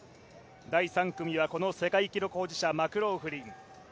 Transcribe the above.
第３組はこの世界記録保持者マクローフリン。